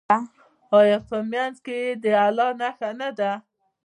آیا په منځ کې یې د الله نښه نه ده؟